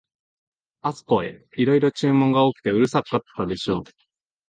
あすこへ、いろいろ注文が多くてうるさかったでしょう、